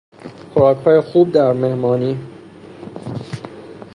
خوراکهای خوب در مهمانی